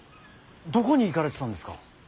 どこに行かれてたんですか。